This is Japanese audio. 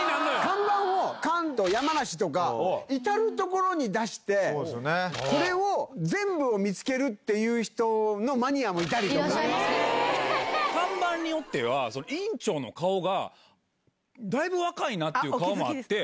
看板を関東、山梨とか、至る所に出して、これを全部を見つけるっていう人のマニアもいた看板によっては、院長の顔がだいぶ若いなっていう顔もあって。